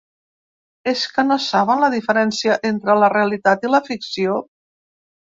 És que no saben la diferència entre la realitat i la ficció.